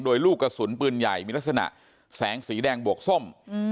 โดยลูกกระสุนปืนใหญ่มีลักษณะแสงสีแดงบวกส้ม